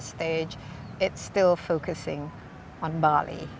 masih di fokus di bali